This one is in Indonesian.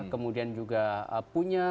kemudian juga punya